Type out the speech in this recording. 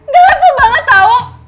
gak leper banget tau